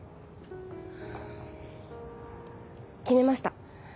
決めました。